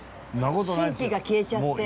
神秘が消えちゃって。